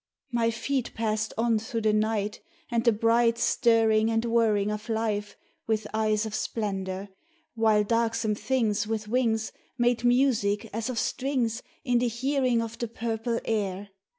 My feet passed on through the night And the bright Stirring and whirring of life with eyes of splendour, While darksome things with wings Made music as of strings In the hearing of the purple air.